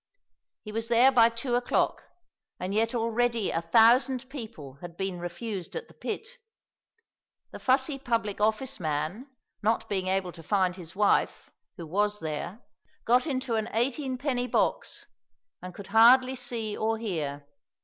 He was there by two o'clock, and yet already a thousand people had been refused at the pit. The fussy public office man, not being able to find his wife, who was there, got into an eighteenpenny box, and could hardly see or hear.